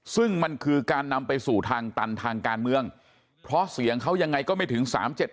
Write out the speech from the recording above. ซึ่งมันคือการนำไปสู่ทางตันทางการเมืองเพราะเสียงเขายังไงก็ไม่ถึง๓๗๗